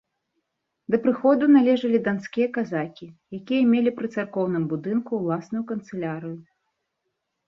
Да прыходу належалі данскія казакі, якія мелі пры царкоўным будынку ўласную канцылярыю.